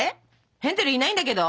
ヘンゼルいないんだけど？